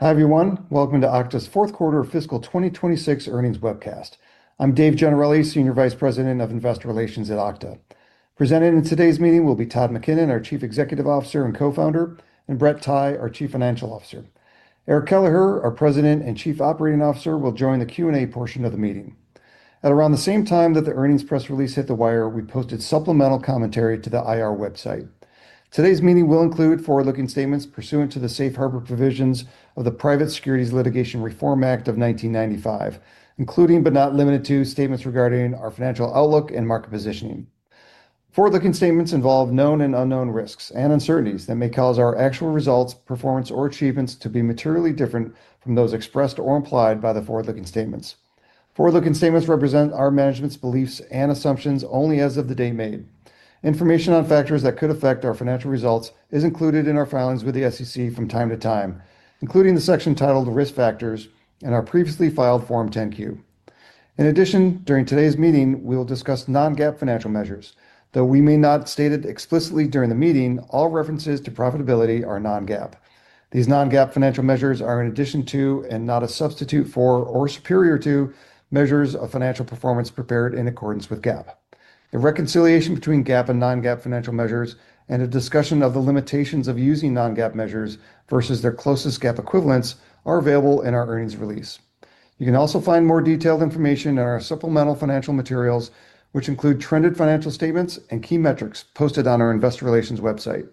Hi, everyone. Welcome to Okta's fourth quarter fiscal 2026 earnings webcast. I'm Dave Gennarelli, Senior Vice President of Investor Relations at Okta. Presenting in today's meeting will be Todd McKinnon, our Chief Executive Officer and Co-founder, and Brett Tighe, our Chief Financial Officer. Eric Kelleher, our President and Chief Operating Officer, will join the Q&A portion of the meeting. At around the same time that the earnings press release hit the wire, we posted supplemental commentary to the IR website. Today's meeting will include forward-looking statements pursuant to the Safe Harbor provisions of the Private Securities Litigation Reform Act of 1995, including but not limited to, statements regarding our financial outlook and market positioning. Forward-looking statements involve known and unknown risks and uncertainties that may cause our actual results, performance, or achievements to be materially different from those expressed or implied by the forward-looking statements. Forward-looking statements represent our management's beliefs and assumptions only as of the day made. Information on factors that could affect our financial results is included in our filings with the SEC from time to time, including the section titled Risk Factors in our previously filed Form 10-Q. In addition, during today's meeting, we will discuss non-GAAP financial measures. Though we may not state it explicitly during the meeting, all references to profitability are non-GAAP. These non-GAAP financial measures are in addition to and not a substitute for or superior to measures of financial performance prepared in accordance with GAAP. A reconciliation between GAAP and non-GAAP financial measures and a discussion of the limitations of using non-GAAP measures versus their closest GAAP equivalents are available in our earnings release. You can also find more detailed information in our supplemental financial materials, which include trended financial statements and key metrics posted on our investor relations website.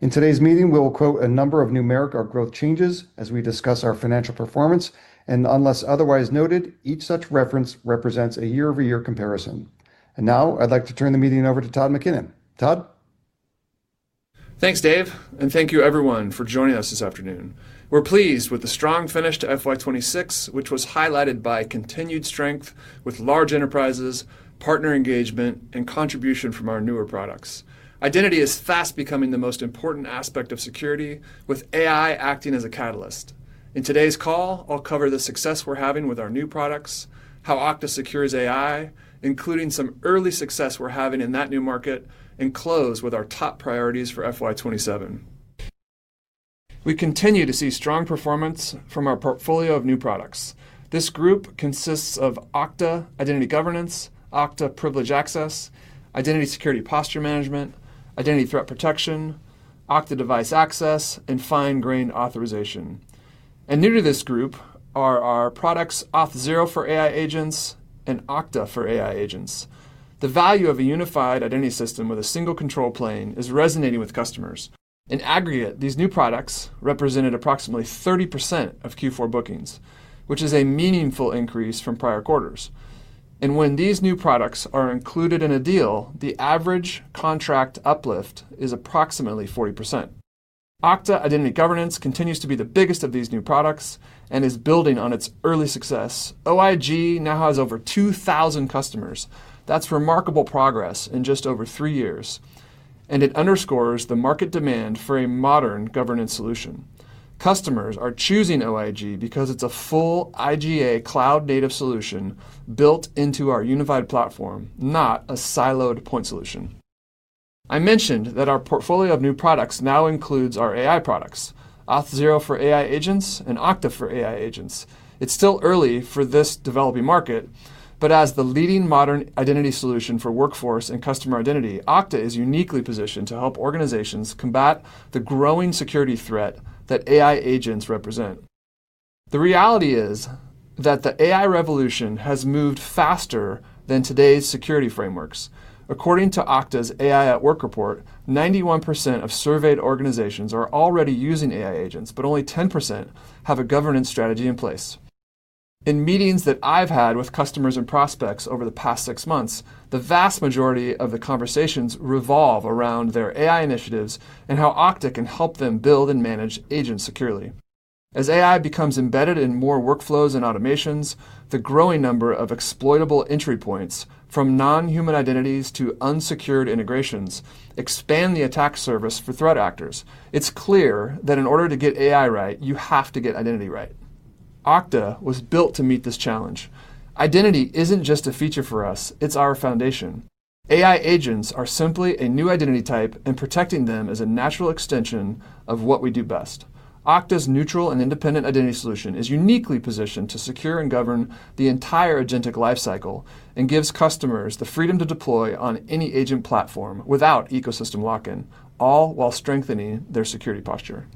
In today's meeting, we will quote a number of numeric or growth changes as we discuss our financial performance, and unless otherwise noted, each such reference represents a year-over-year comparison. Now I'd like to turn the meeting over to Todd McKinnon. Todd? Thanks, Dave. Thank you everyone for joining us this afternoon. We're pleased with the strong finish to FY 2026, which was highlighted by continued strength with large enterprises, partner engagement, and contribution from our newer products. Identity is fast becoming the most important aspect of security, with AI acting as a catalyst. In today's call, I'll cover the success we're having with our new products, how Okta secures AI, including some early success we're having in that new market, and close with our top priorities for FY 2027. We continue to see strong performance from our portfolio of new products. This group consists of Okta Identity Governance, Okta Privileged Access, Identity Security Posture Management, Identity Threat Protection, Okta Device Access, and Fine Grained Authorization. New to this group are our products Auth0 for AI Agents and Okta for AI Agents. The value of a unified identity system with a single control plane is resonating with customers. In aggregate, these new products represented approximately 30% of Q4 bookings, which is a meaningful increase from prior quarters. When these new products are included in a deal, the average contract uplift is approximately 40%. Okta Identity Governance continues to be the biggest of these new products and is building on its early success. OIG now has over 2,000 customers. That's remarkable progress in just over three years, and it underscores the market demand for a modern governance solution. Customers are choosing OIG because it's a full IGA cloud-native solution built into our unified platform, not a siloed point solution. I mentioned that our portfolio of new products now includes our AI products, Auth0 for AI Agents and Okta for AI Agents. It's still early for this developing market, but as the leading modern identity solution for workforce and customer identity, Okta is uniquely positioned to help organizations combat the growing security threat that AI agents represent. The reality is that the AI revolution has moved faster than today's security frameworks. According to Okta's AI at Work report, 91% of surveyed organizations are already using AI agents, but only 10% have a governance strategy in place. In meetings that I've had with customers and prospects over the past six months, the vast majority of the conversations revolve around their AI initiatives and how Okta can help them build and manage agents securely. As AI becomes embedded in more workflows and automations, the growing number of exploitable entry points from non-human identities to unsecured integrations expand the attack service for threat actors. It's clear that in order to get AI right, you have to get identity right. Okta was built to meet this challenge. Identity isn't just a feature for us, it's our foundation. AI agents are simply a new identity type, and protecting them is a natural extension of what we do best. Okta's neutral and independent identity solution is uniquely positioned to secure and govern the entire agentic life cycle and gives customers the freedom to deploy on any agent platform without ecosystem lock-in, all while strengthening their security posture.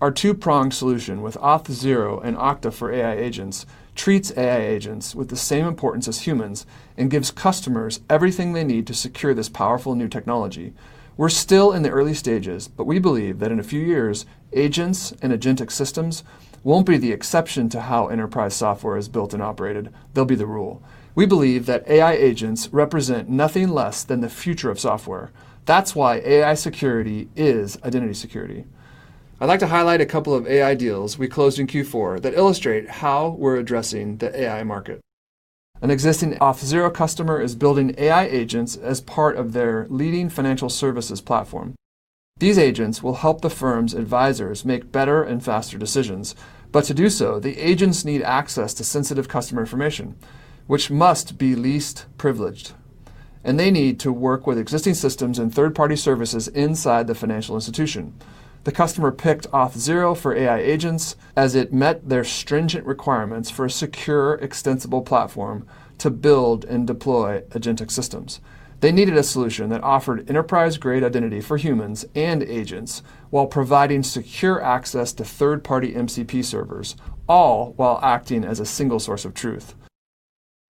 Our two-pronged solution with Auth0 and Okta for AI Agents treats AI agents with the same importance as humans and gives customers everything they need to secure this powerful new technology. We're still in the early stages. We believe that in a few years, agents and agentic systems won't be the exception to how enterprise software is built and operated. They'll be the rule. We believe that AI agents represent nothing less than the future of software. That's why AI security is identity security. I'd like to highlight a couple of AI deals we closed in Q4 that illustrate how we're addressing the AI market. An existing Auth0 customer is building AI agents as part of their leading financial services platform. These agents will help the firm's advisors make better and faster decisions. To do so, the agents need access to sensitive customer information, which must be least privileged. They need to work with existing systems and third-party services inside the financial institution. The customer picked Auth0 for AI Agents as it met their stringent requirements for a secure, extensible platform to build and deploy agentic systems. They needed a solution that offered enterprise-grade identity for humans and agents while providing secure access to third-party MCP servers, all while acting as a single source of truth.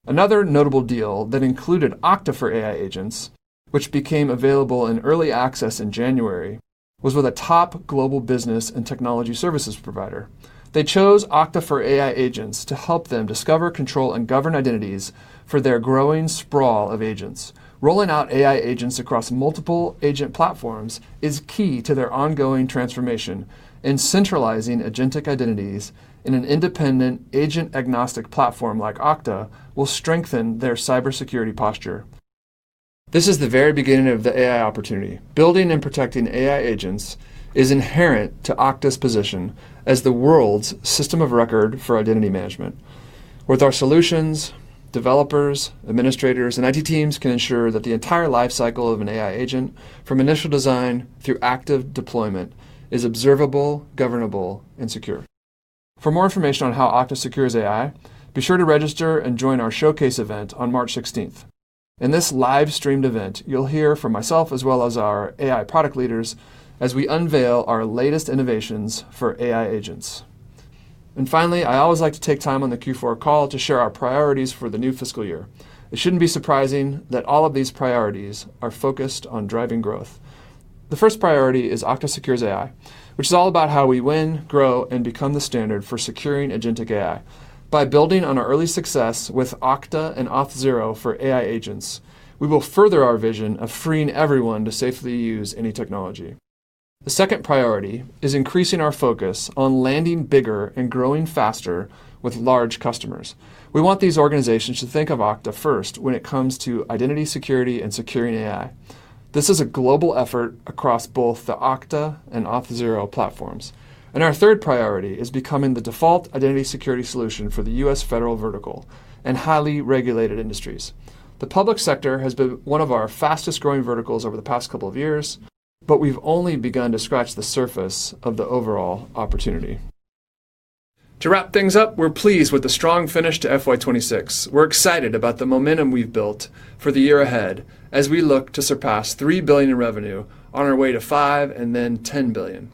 Another notable deal that included Okta for AI Agents, which became available in early access in January, was with a top global business and technology services provider. They chose Okta for AI Agents to help them discover, control, and govern identities for their growing sprawl of agents. Rolling out AI Agents across multiple agent platforms is key to their ongoing transformation. Centralizing agentic identities in an independent agent agnostic platform like Okta will strengthen their cybersecurity posture. This is the very beginning of the AI opportunity. Building and protecting AI agents is inherent to Okta's position as the world's system of record for identity management. With our solutions, developers, administrators, and IT teams can ensure that the entire lifecycle of an AI agent from initial design through active deployment is observable, governable, and secure. For more information on how Okta secures AI, be sure to register and join our showcase event on March 16th. In this live-streamed event, you'll hear from myself as well as our AI product leaders as we unveil our latest innovations for AI agents. Finally, I always like to take time on the Q4 call to share our priorities for the new fiscal year. It shouldn't be surprising that all of these priorities are focused on driving growth. The first priority is Okta secures AI, which is all about how we win, grow, and become the standard for securing agentic AI. By building on our early success with Okta and Auth0 for AI Agents, we will further our vision of freeing everyone to safely use any technology. The second priority is increasing our focus on landing bigger and growing faster with large customers. We want these organizations to think of Okta first when it comes to identity security and securing AI. This is a global effort across both the Okta and Auth0 platforms. Our third priority is becoming the default identity security solution for the U.S. federal vertical and highly regulated industries. The public sector has been one of our fastest-growing verticals over the past couple of years, but we've only begun to scratch the surface of the overall opportunity. To wrap things up, we're pleased with the strong finish to FY 2026. We're excited about the momentum we've built for the year ahead as we look to surpass $3 billion in revenue on our way to $5 billion and then $10 billion.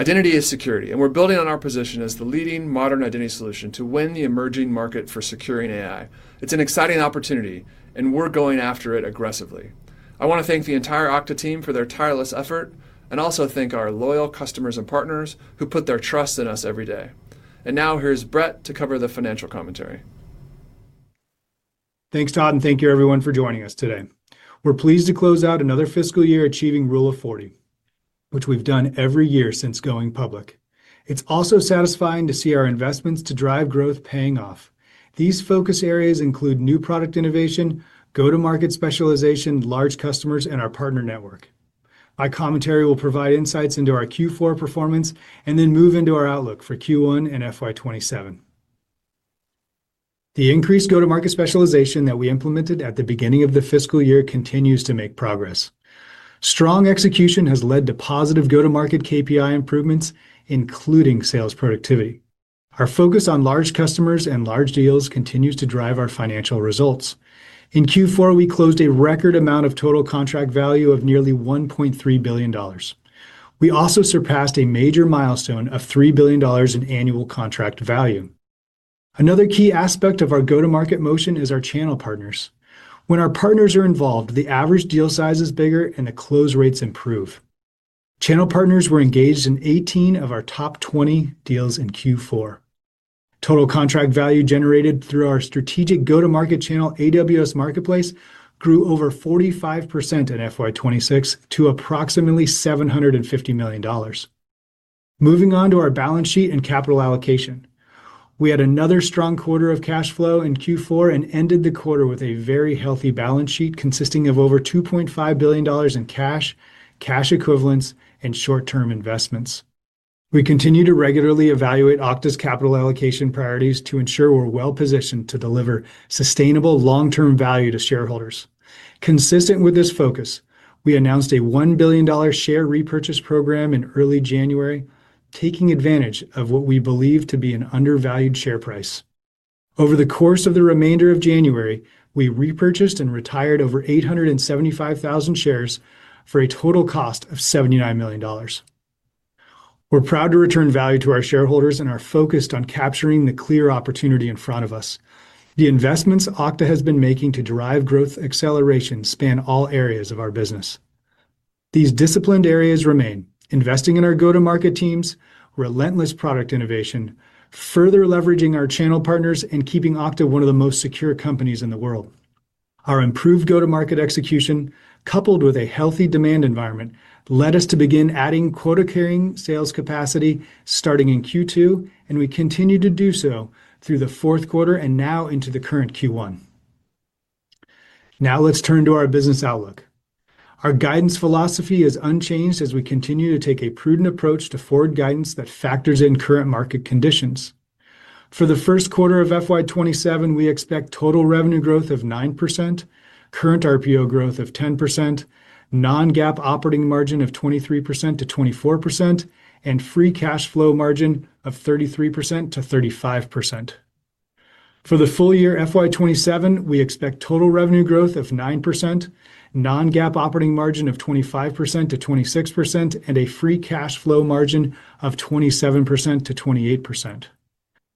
Identity is security, we're building on our position as the leading modern identity solution to win the emerging market for securing AI. It's an exciting opportunity, and we're going after it aggressively. I want to thank the entire Okta team for their tireless effort and also thank our loyal customers and partners who put their trust in us every day. Now here's Brett to cover the financial commentary. Thanks, Todd. Thank you everyone for joining us today. We're pleased to close out another fiscal year achieving Rule of 40, which we've done every year since going public. It's also satisfying to see our investments to drive growth paying off. These focus areas include new product innovation, go-to-market specialization, large customers, and our partner network. My commentary will provide insights into our Q4 performance and then move into our outlook for Q1 and FY 2027. The increased go-to-market specialization that we implemented at the beginning of the fiscal year continues to make progress. Strong execution has led to positive go-to-market KPI improvements, including sales productivity. Our focus on large customers and large deals continues to drive our financial results. In Q4, we closed a record amount of total contract value of nearly $1.3 billion. We also surpassed a major milestone of $3 billion in annual contract value. Another key aspect of our go-to-market motion is our channel partners. When our partners are involved, the average deal size is bigger, and the close rates improve. Channel partners were engaged in 18 of our top 20 deals in Q4. Total contract value generated through our strategic go-to-market channel, AWS Marketplace, grew over 45% in FY26 to approximately $750 million. Moving on to our balance sheet and capital allocation. We had another strong quarter of cash flow in Q4 and ended the quarter with a very healthy balance sheet consisting of over $2.5 billion in cash equivalents, and short-term investments. We continue to regularly evaluate Okta's capital allocation priorities to ensure we're well-positioned to deliver sustainable long-term value to shareholders. Consistent with this focus, we announced a $1 billion share repurchase program in early January, taking advantage of what we believe to be an undervalued share price. Over the course of the remainder of January, we repurchased and retired over 875,000 shares for a total cost of $79 million. We're proud to return value to our shareholders and are focused on capturing the clear opportunity in front of us. The investments Okta has been making to derive growth acceleration span all areas of our business. These disciplined areas remain: investing in our go-to-market teams, relentless product innovation, further leveraging our channel partners, and keeping Okta one of the most secure companies in the world. Our improved go-to-market execution, coupled with a healthy demand environment, led us to begin adding quota-carrying sales capacity starting in Q2, and we continue to do so through the fourth quarter and now into the current Q1. Let's turn to our business outlook. Our guidance philosophy is unchanged as we continue to take a prudent approach to forward guidance that factors in current market conditions. For the first quarter of FY 2027, we expect total revenue growth of 9%, current RPO growth of 10%, non-GAAP operating margin of 23%-24%, and free cash flow margin of 33%-35%. For the full year FY 2027, we expect total revenue growth of 9%, non-GAAP operating margin of 25%-26%, and a free cash flow margin of 27%-28%.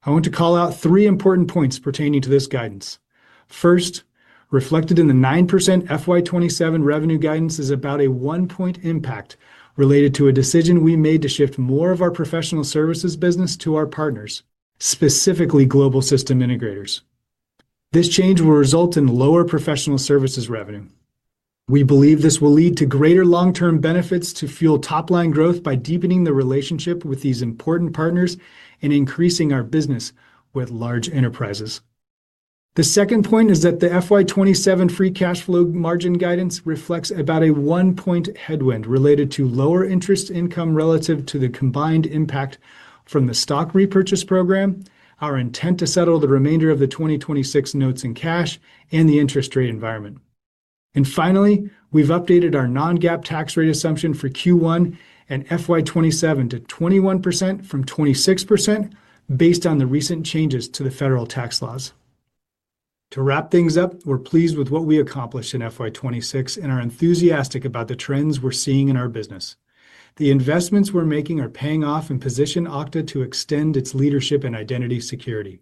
I want to call out three important points pertaining to this guidance. First, reflected in the 9% FY 2027 revenue guidance is about a one-point impact related to a decision we made to shift more of our professional services business to our partners, specifically Global System Integrators. This change will result in lower professional services revenue. We believe this will lead to greater long-term benefits to fuel top-line growth by deepening the relationship with these important partners and increasing our business with large enterprises. The second point is that the FY 2027 free cash flow margin guidance reflects about a one-point headwind related to lower interest income relative to the combined impact from the stock repurchase program, our intent to settle the remainder of the 2026 notes in cash, and the interest rate environment. Finally, we've updated our non-GAAP tax rate assumption for Q1 and FY 2027 to 21% from 26% based on the recent changes to the federal tax laws. To wrap things up, we're pleased with what we accomplished in FY 2026 and are enthusiastic about the trends we're seeing in our business. The investments we're making are paying off in position Okta to extend its leadership and identity security.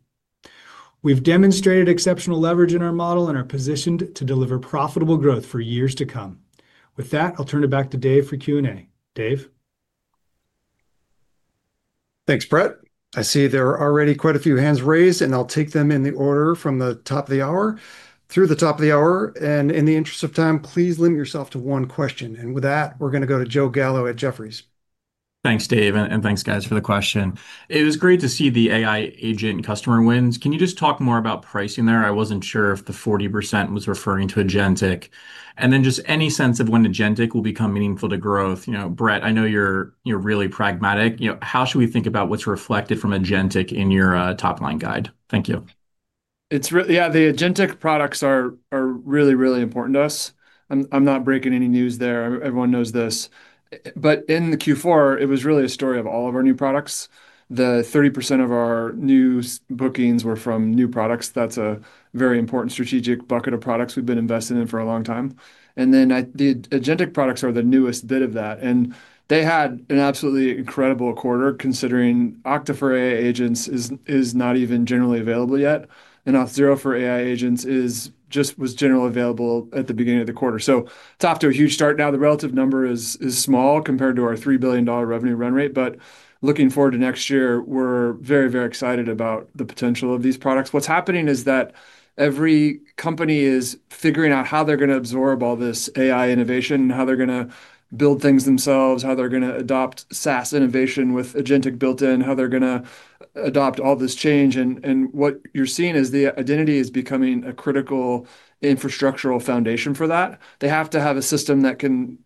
We've demonstrated exceptional leverage in our model and are positioned to deliver profitable growth for years to come. With that, I'll turn it back to Dave for Q&A. Dave? Thanks, Brett. I see there are already quite a few hands raised, and I'll take them in the order from the top of the hour. Through the top of the hour, and in the interest of time, please limit yourself to one question. With that, we're gonna go to Joe Gallo at Jefferies. Thanks, Dave, and thanks guys for the question. It was great to see the AI agent customer wins. Can you just talk more about pricing there? I wasn't sure if the 40% was referring to agentic. Just any sense of when agentic will become meaningful to growth. You know, Brett, I know you're really pragmatic, you know. How should we think about what's reflected from agentic in your top-line guide? Thank you. Yeah, the agentic products are really, really important to us. I'm not breaking any news there. Everyone knows this. In the Q4, it was really a story of all of our new products. The 30% of our new bookings were from new products. That's a very important strategic bucket of products we've been investing in for a long time. The agentic products are the newest bit of that, and they had an absolutely incredible quarter considering Okta for AI Agents is not even generally available yet, and Auth0 for AI Agents was generally available at the beginning of the quarter. It's off to a huge start. Now, the relative number is small compared to our $3 billion revenue run rate. Looking forward to next year, we're very, very excited about the potential of these products. What's happening is that every company is figuring out how they're gonna absorb all this AI innovation, how they're gonna build things themselves, how they're gonna adopt SaaS innovation with agentic built in, how they're gonna adopt all this change. What you're seeing is the identity is becoming a critical infrastructural foundation for that. They have to have a system that can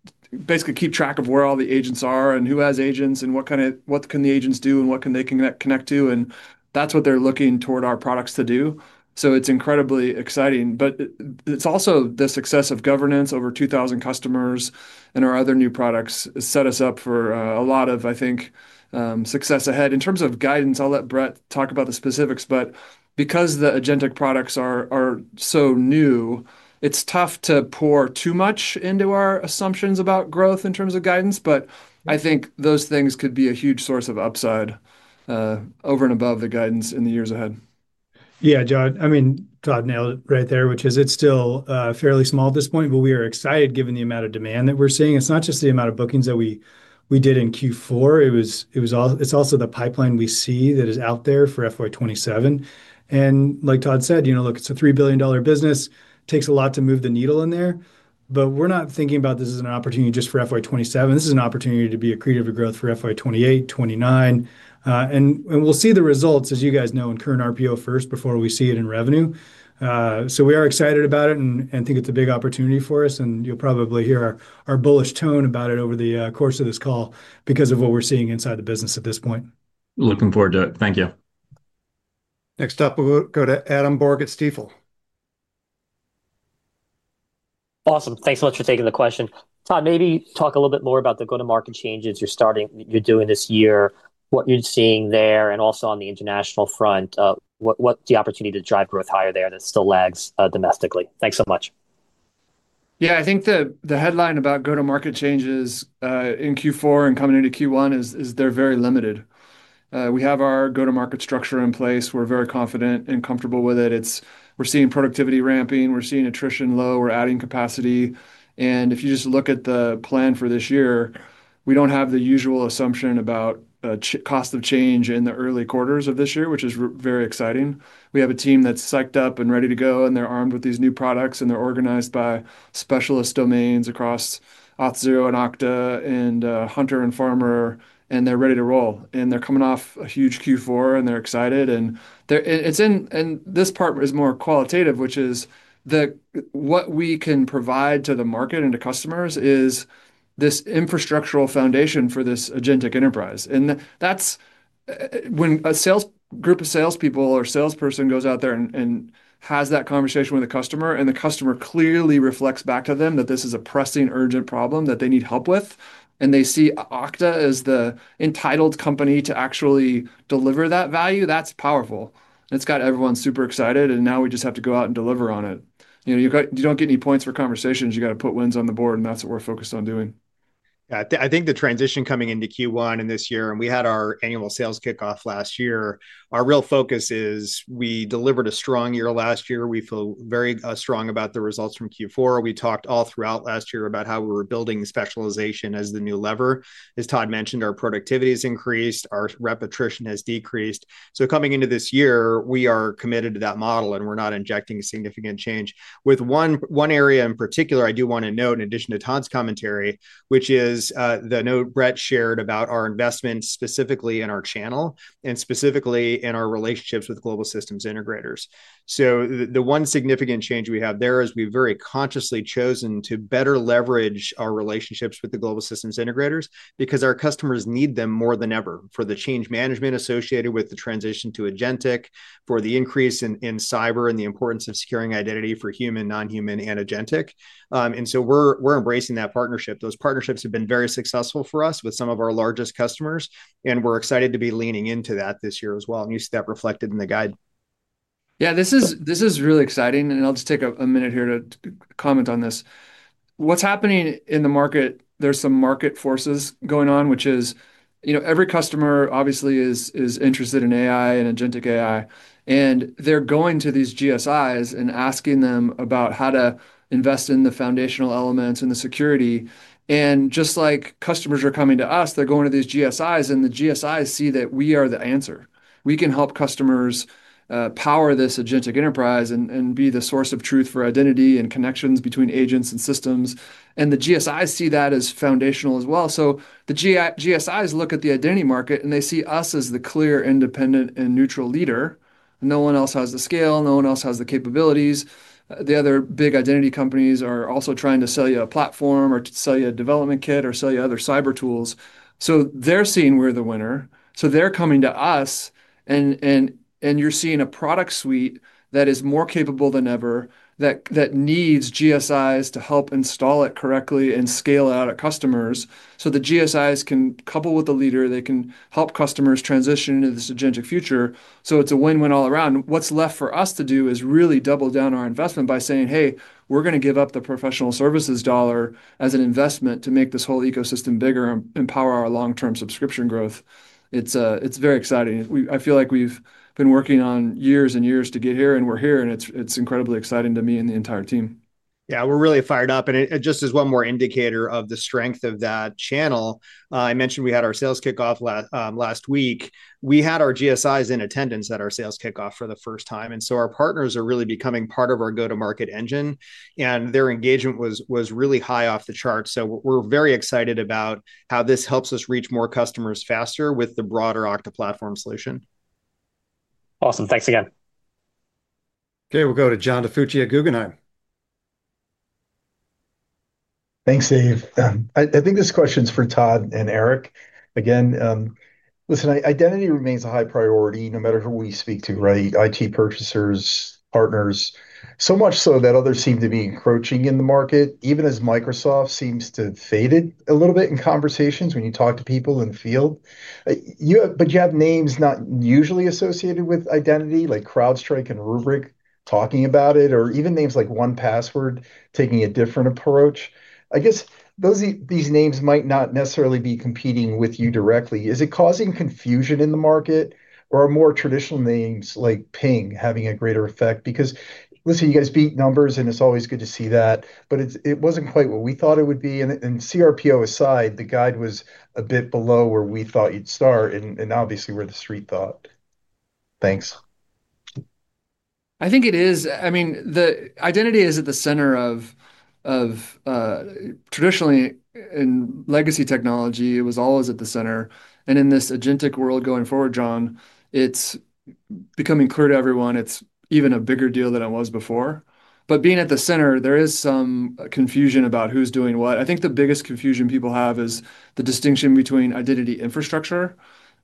basically keep track of where all the agents are and who has agents and what can the agents do and what can they connect to. That's what they're looking toward our products to do. It's incredibly exciting, but it's also the success of governance over 2,000 customers and our other new products set us up for a lot of, I think, success ahead. In terms of guidance, I'll let Brett talk about the specifics, but because the agentic products are so new, it's tough to pour too much into our assumptions about growth in terms of guidance. I think those things could be a huge source of upside over and above the guidance in the years ahead. Yeah, Joe. I mean, Todd nailed it right there, which is it's still fairly small at this point, but we are excited given the amount of demand that we're seeing. It's not just the amount of bookings that we did in Q4. It was it's also the pipeline we see that is out there for FY 2027. Like Todd said, you know, look, it's a $3 billion business. Takes a lot to move the needle in there. We're not thinking about this as an opportunity just for FY 2027. This is an opportunity to be accretive to growth for FY 2028, FY 2029. And we'll see the results, as you guys know, in current RPO first before we see it in revenue. We are excited about it and think it's a big opportunity for us, and you'll probably hear our bullish tone about it over the course of this call because of what we're seeing inside the business at this point. Looking forward to it. Thank you. Next up, we'll go to Adam Borg at Stifel. Awesome. Thanks so much for taking the question. Todd, maybe talk a little bit more about the go-to-market changes you're doing this year, what you're seeing there, and also on the international front, what the opportunity to drive growth higher there that still lags domestically. Thanks so much. Yeah. I think the headline about go-to-market changes in Q4 and coming into Q1 is they're very limited. We have our go-to-market structure in place. We're very confident and comfortable with it. We're seeing productivity ramping. We're seeing attrition low. We're adding capacity. If you just look at the plan for this year, we don't have the usual assumption about cost of change in the early quarters of this year, which is very exciting. We have a team that's psyched up and ready to go, and they're armed with these new products, and they're organized by specialist domains across Auth0 and Okta and Hunter and Farmer, and they're ready to roll. They're coming off a huge Q4, and they're excited. This part is more qualitative, which is that what we can provide to the market and to customers is this infrastructural foundation for this agentic enterprise. That's when a Group of salespeople or salesperson goes out there and has that conversation with a customer. The customer clearly reflects back to them that this is a pressing, urgent problem that they need help with, and they see Okta as the entitled company to actually deliver that value. That's powerful. It's got everyone super excited. Now we just have to go out and deliver on it. You know, you don't get any points for conversations. You gotta put wins on the board. That's what we're focused on doing. Yeah. I think the transition coming into Q1 in this year. We had our annual sales kickoff last year, our real focus is we delivered a strong year last year. We feel very strong about the results from Q4. We talked all throughout last year about how we were building specialization as the new lever. As Todd McKinnon mentioned, our productivity has increased. Our repetition has decreased. Coming into this year, we are committed to that model, and we're not injecting significant change. With one area in particular, I do wanna note, in addition to Todd McKinnon's commentary, which is the note Brett shared about our investment specifically in our channel and specifically in our relationships with Global System Integrators. The one significant change we have there is we've very consciously chosen to better leverage our relationships with the Global System Integrators because our customers need them more than ever for the change management associated with the transition to agentic, for the increase in cyber and the importance of securing identity for human, non-human and agentic. We're embracing that partnership. Those partnerships have been very successful for us with some of our largest customers, and we're excited to be leaning into that this year as well. You see that reflected in the guide. This is really exciting, I'll just take a minute here to comment on this. What's happening in the market, there's some market forces going on, which is, you know, every customer obviously is interested in AI and agentic AI, and they're going to these GSIs and asking them about how to invest in the foundational elements and the security. Just like customers are coming to us, they're going to these GSIs, and the GSIs see that we are the answer. We can help customers power this agentic enterprise and be the source of truth for identity and connections between agents and systems. The GSIs look at the identity market, and they see us as the clear, independent, and neutral leader. No one else has the scale. No one else has the capabilities. The other big identity companies are also trying to sell you a platform or to sell you a development kit or sell you other cyber tools. They're seeing we're the winner, so they're coming to us, and you're seeing a product suite that is more capable than ever that needs GSIs to help install it correctly and scale it out at customers. The GSIs can couple with the leader. They can help customers transition into this agentic future. It's a win-win all around. What's left for us to do is really double down our investment by saying, "Hey, we're gonna give up the professional services dollar as an investment to make this whole ecosystem bigger and power our long-term subscription growth." It's very exciting. I feel like we've been working on years and years to get here, and we're here, and it's incredibly exciting to me and the entire team. We're really fired up, just as one more indicator of the strength of that channel, I mentioned we had our sales kickoff last week. We had our GSIs in attendance at our sales kickoff for the first time. Our partners are really becoming part of our go-to-market engine, their engagement was really high off the charts. We're very excited about how this helps us reach more customers faster with the broader Okta platform solution. Awesome. Thanks again. Okay, we'll go to John DiFucci at Guggenheim. Thanks, Dave. I think this question's for Todd and Eric. Again, listen, identity remains a high priority no matter who we speak to, right? IT purchasers, partners, so much so that others seem to be encroaching in the market, even as Microsoft seems to have faded a little bit in conversations when you talk to people in the field. You have names not usually associated with identity, like CrowdStrike and Rubrik talking about it, or even names like 1Password taking a different approach. I guess those, these names might not necessarily be competing with you directly. Is it causing confusion in the market, or are more traditional names like Ping having a greater effect? Listen, you guys beat numbers, and it's always good to see that, but it wasn't quite what we thought it would be. CRPO aside, the guide was a bit below where we thought you'd start and obviously where the street thought. Thanks. I think it is. I mean, the identity is at the center of traditionally in legacy technology, it was always at the center. In this agentic world going forward, John, it's becoming clear to everyone it's even a bigger deal than it was before. Being at the center, there is some confusion about who's doing what. I think the biggest confusion people have is the distinction between identity infrastructure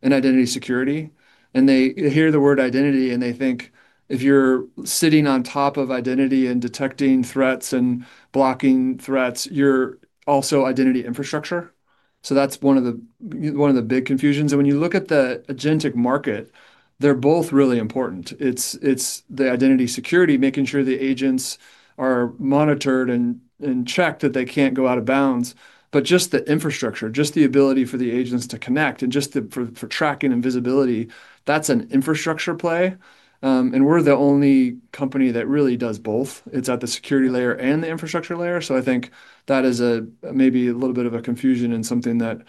and identity security. They hear the word identity, and they think if you're sitting on top of identity and detecting threats and blocking threats, you're also identity infrastructure. That's one of the big confusions. When you look at the agentic market, they're both really important. It's the identity security, making sure the agents are monitored and checked that they can't go out of bounds. Just the infrastructure, just the ability for the agents to connect and for tracking and visibility, that's an infrastructure play, and we're the only company that really does both. It's at the security layer and the infrastructure layer. I think that is a, maybe a little bit of a confusion and something that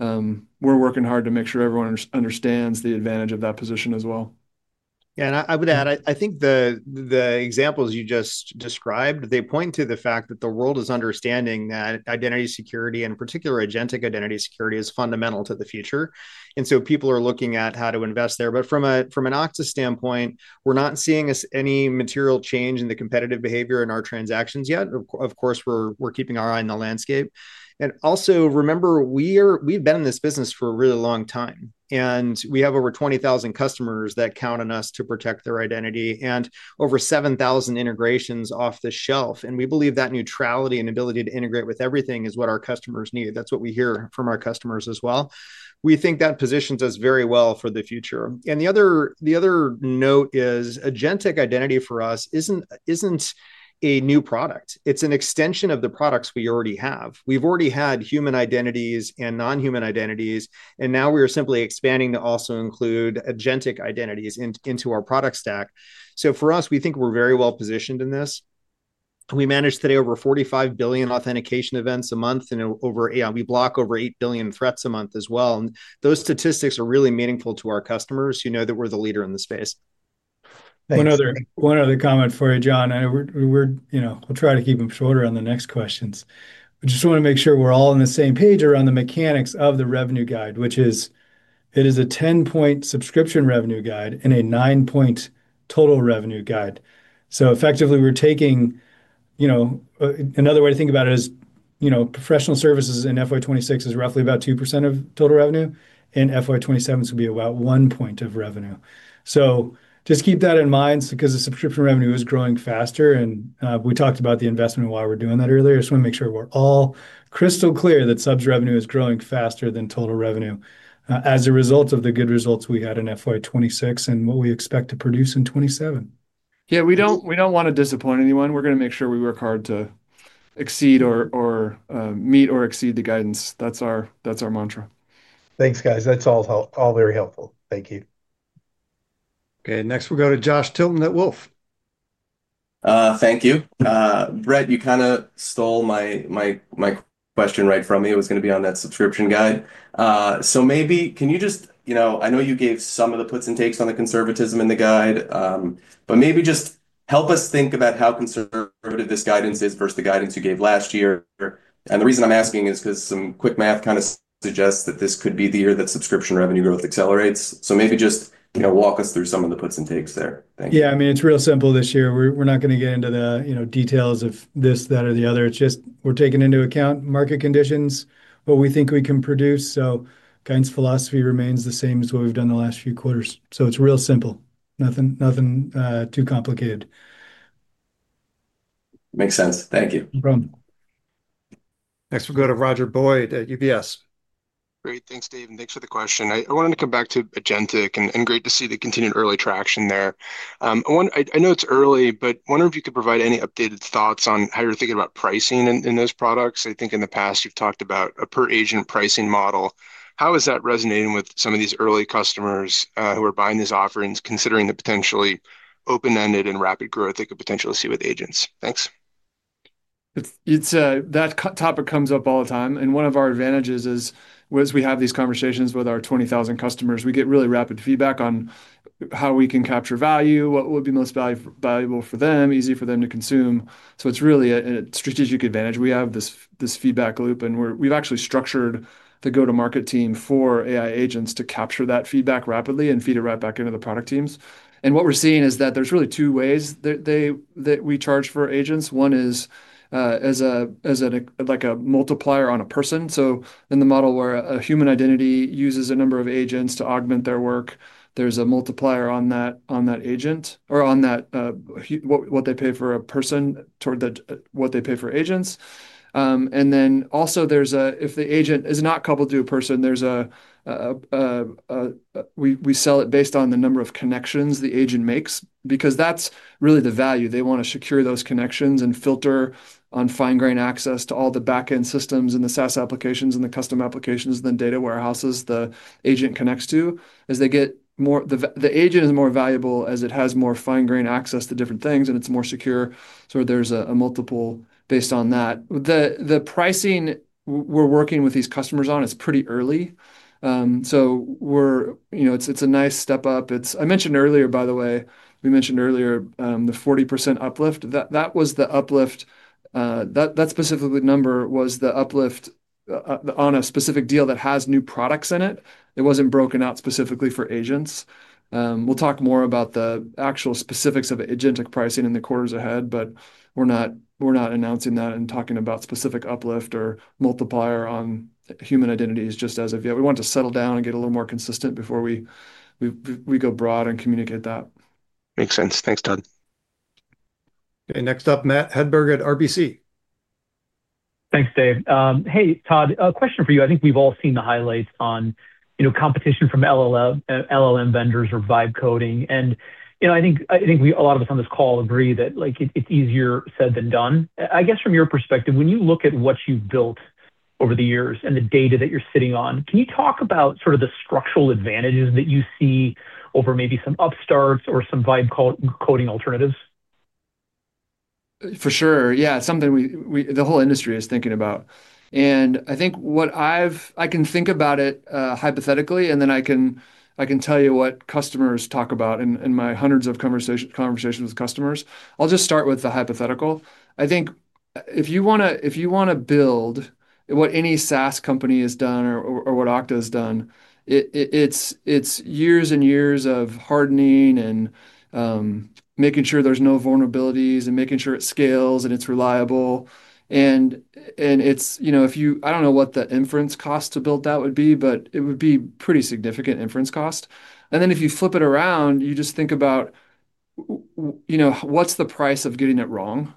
we're working hard to make sure everyone understands the advantage of that position as well. I would add, I think the examples you just described, they point to the fact that the world is understanding that identity security, in particular agentic identity security, is fundamental to the future. People are looking at how to invest there. From a, from an Okta standpoint, we're not seeing any material change in the competitive behavior in our transactions yet. Of course, we're keeping our eye on the landscape. Also, remember, we've been in this business for a really long time, and we have over 20,000 customers that count on us to protect their identity and over 7,000 integrations off the shelf. We believe that neutrality and ability to integrate with everything is what our customers need. That's what we hear from our customers as well. We think that positions us very well for the future. The other, the other note is agentic identity for us isn't a new product. It's an extension of the products we already have. We've already had human identities and non-human identities, and now we are simply expanding to also include agentic identities into our product stack. For us, we think we're very well-positioned in this. We manage today over 45 billion authentication events a month and over, we block over 8 billion threats a month as well. Those statistics are really meaningful to our customers who know that we're the leader in the space. Thanks. One other comment for you, John. We're, you know, we'll try to keep them shorter on the next questions. I just wanna make sure we're all on the same page around the mechanics of the revenue guide, which is it is a 10-point subscription revenue guide and a 9-point total revenue guide. Effectively, we're taking, you know, another way to think about it is, you know, professional services in FY 2026 is roughly about 2% of total revenue, and FY 2027's gonna be about 1 point of revenue. Just keep that in mind because the subscription revenue is growing faster and we talked about the investment and why we're doing that earlier. I just wanna make sure we're all crystal clear that subs revenue is growing faster than total revenue, as a result of the good results we had in FY 2026 and what we expect to produce in 2027. We don't wanna disappoint anyone. We're gonna make sure we work hard to exceed or meet or exceed the guidance. That's our, that's our mantra. Thanks, guys. That's all very helpful. Thank you. Okay. Next, we'll go to Josh Tilton at Wolfe. Thank you. Brett, you kinda stole my question right from me. It was gonna be on that subscription guide. Maybe can you just... You know, I know you gave some of the puts and takes on the conservatism in the guide, but maybe just help us think about how conservative this guidance is versus the guidance you gave last year. The reason I'm asking is 'cause some quick math kinda suggests that this could be the year that subscription revenue growth accelerates. Maybe just, you know, walk us through some of the puts and takes there. Thank you. Yeah. I mean, it's real simple this year. We're not going to get into the, you know, details of this, that, or the other. It's just we're taking into account market conditions, what we think we can produce. Guidance philosophy remains the same as what we've done the last few quarters. It's real simple. Nothing too complicated. Makes sense. Thank you. No problem. Next, we'll go to Roger Boyd at UBS. Great. Thanks, Dave, and thanks for the question. I wanted to come back to agentic and great to see the continued early traction there. I know it's early, but wondering if you could provide any updated thoughts on how you're thinking about pricing in those products. I think in the past you've talked about a per agent pricing model. How is that resonating with some of these early customers who are buying these offerings, considering the potentially open-ended and rapid growth they could potentially see with agents? Thanks. It's That topic comes up all the time, one of our advantages is, was we have these conversations with our 20,000 customers. We get really rapid feedback on how we can capture value, what would be most valuable for them, easy for them to consume. It's really a strategic advantage. We have this feedback loop, we've actually structured the go-to-market team for AI agents to capture that feedback rapidly and feed it right back into the product teams. What we're seeing is that there's really two ways that they, that we charge for agents. One is, as a, like, a multiplier on a person. In the model where a human identity uses a number of agents to augment their work, there's a multiplier on that agent or on that, what they pay for a person toward the, what they pay for agents. If the agent is not coupled to a person, we sell it based on the number of connections the agent makes because that's really the value. They wanna secure those connections and filter on fine-grain access to all the backend systems and the SaaS applications and the custom applications, then data warehouses the agent connects to. The agent is more valuable as it has more fine-grain access to different things, and it's more secure. There's a multiple based on that. The pricing we're working with these customers on is pretty early. You know, it's a nice step up. I mentioned earlier, by the way, we mentioned earlier, the 40% uplift. That was the uplift, that specific number was the uplift on a specific deal that has new products in it. It wasn't broken out specifically for agents. We'll talk more about the actual specifics of agentic pricing in the quarters ahead, we're not announcing that and talking about specific uplift or multiplier on human identities just as of yet. We want to settle down and get a little more consistent before we go broad and communicate that. Makes sense. Thanks, Todd. Okay. Next up, Matt Hedberg at RBC. Thanks, Dave. Hey, Todd, a question for you. I think we've all seen the highlights on, you know, competition from LLM vendors or vibe coding. You know, I think a lot of us on this call agree that, like, it's easier said than done. I guess from your perspective, when you look at what you've built over the years and the data that you're sitting on, can you talk about sort of the structural advantages that you see over maybe some upstarts or some vibe coding alternatives? For sure, yeah. Something we the whole industry is thinking about. I can think about it hypothetically, and then I can tell you what customers talk about in my hundreds of conversations with customers. I'll just start with the hypothetical. I think if you wanna build what any SaaS company has done or what Okta has done, it's years and years of hardening and making sure there's no vulnerabilities and making sure it scales, and it's reliable. It's, you know, if you I don't know what the inference cost to build that would be, but it would be pretty significant inference cost. If you flip it around, you just think about you know, what's the price of getting it wrong?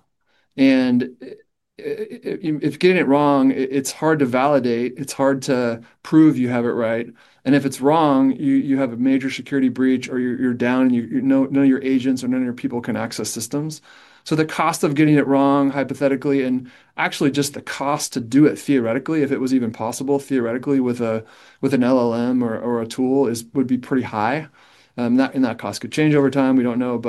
If getting it wrong, it's hard to validate, it's hard to prove you have it right. If it's wrong, you have a major security breach, or you're down, and none of your agents or none of your people can access systems. The cost of getting it wrong hypothetically, and actually just the cost to do it theoretically if it was even possible theoretically with a, with an LLM or a tool is, would be pretty high. That, and that cost could change over time. We don't know.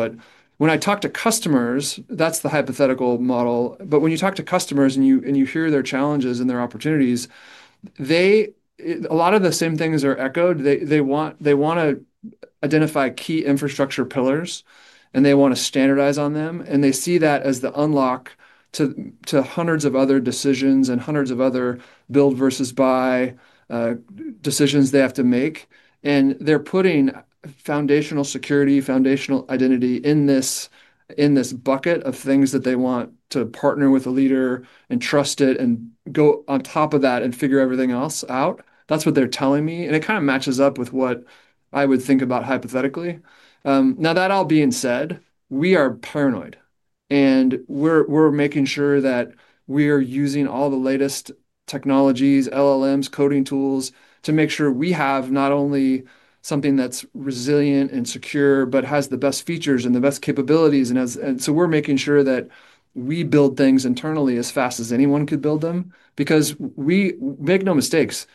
When I talk to customers, that's the hypothetical model. When you talk to customers, and you, and you hear their challenges and their opportunities, they. A lot of the same things are echoed. They want, they wanna identify key infrastructure pillars, and they wanna standardize on them. They see that as the unlock to hundreds of other decisions and hundreds of other build versus buy decisions they have to make. They're putting foundational security, foundational identity in this bucket of things that they want to partner with a leader and trust it and go on top of that and figure everything else out. That's what they're telling me, and it kinda matches up with what I would think about hypothetically. Now that all being said, we are paranoid, and we're making sure that we are using all the latest technologies, LLMs, coding tools to make sure we have not only something that's resilient and secure but has the best features and the best capabilities and has. So we're making sure that we build things internally as fast as anyone could build them because we. Make no mistakes,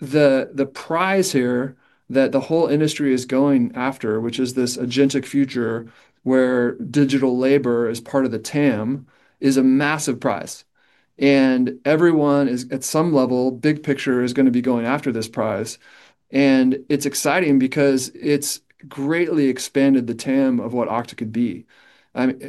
the prize here that the whole industry is going after, which is this agentic future where digital labor is part of the TAM, is a massive prize. Everyone is at some level, big picture, is gonna be going after this prize. It's exciting because it's greatly expanded the TAM of what Okta could be.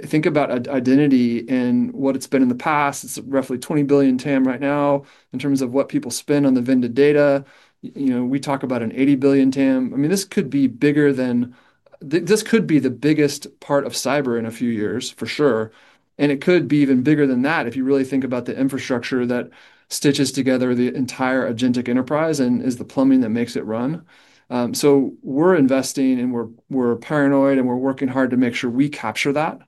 Think about identity and what it's been in the past. It's roughly $20 billion TAM right now in terms of what people spend on the vendor data. You know, we talk about an $80 billion TAM. I mean, this could be bigger than this could be the biggest part of cyber in a few years, for sure. It could be even bigger than that if you really think about the infrastructure that stitches together the entire agentic enterprise and is the plumbing that makes it run. We're investing, and we're paranoid, and we're working hard to make sure we capture that